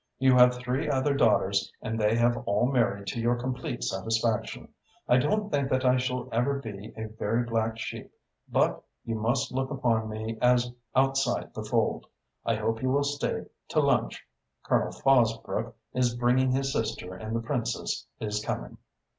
You have three other daughters and they have all married to your complete satisfaction. I don't think that I shall ever be a very black sheep but you must look upon me as outside the fold. I hope you will stay to lunch. Colonel Fosbrook is bringing his sister and the Princess is coming."